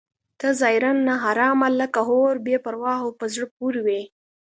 ته ظاهراً ناارامه لکه اور بې پروا او په زړه پورې وې.